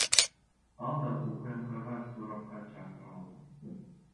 Ал да УКМКга суракка чакырылган.